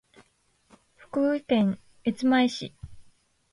福井県越前市